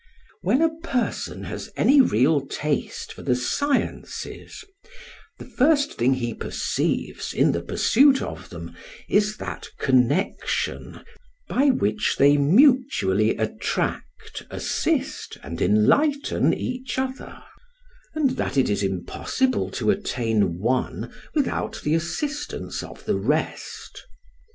When a person has any real taste for the sciences, the first thing he perceives in the pursuit of them is that connection by which they mutually attract, assist, and enlighten each other, and that it is impossible to attain one without the assistance of the rest.